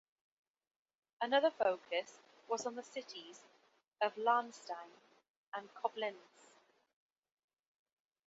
Another focus was on the cities of Lahnstein and Koblenz.